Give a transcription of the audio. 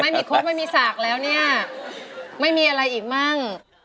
นอกจากไม่มีครบไม่มีสากแล้วเนี่ยไม่มีอะไรอีกบ้าง